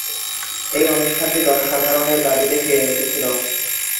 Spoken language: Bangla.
এই অনুষ্ঠানটি জনসাধারণের দাবিতে ফিরে এসেছিল।